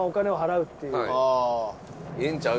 ええんちゃう？